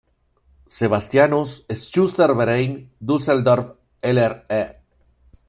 Sebastianus-Schützenverein Düsseldorf-Eller e.